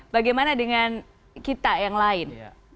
bagaimana dengan kita yang lain